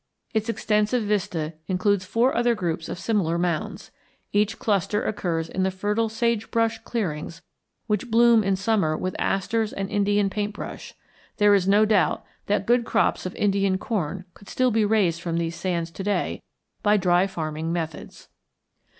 Its extensive vista includes four other groups of similar mounds. Each cluster occurs in the fertile sage brush clearings which bloom in summer with asters and Indian paint brush; there is no doubt that good crops of Indian corn could still be raised from these sands to day by dry farming methods.